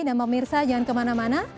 nama mirsa jangan kemana mana